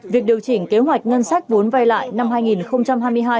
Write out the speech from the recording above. việc điều chỉnh kế hoạch ngân sách vốn vay lại năm hai nghìn hai mươi hai